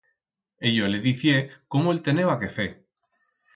E yo le dicié cómo el teneba que fer.